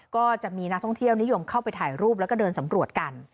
ก็จะมีนักท่องเที่ยวนิยมเข้าไปถ่ายรูปแล้วก็เดินสำรวจกัน